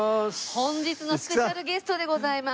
本日のスペシャルゲストでございます。